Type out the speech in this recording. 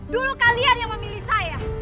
dulu kalian yang memilih saya